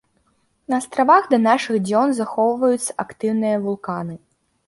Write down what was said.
На астравах да нашых дзён захоўваюцца актыўныя вулканы.